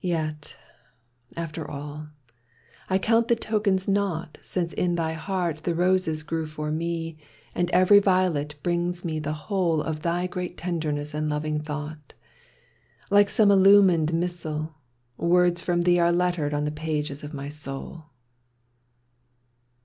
Yet, after all, I count the tokens naught Since in thy heart the roses grow for me And every violet brings me the whole Of thy great tenderness and loving thought — Like some illumined missal, words from thee Are lettered on the pages of my soul.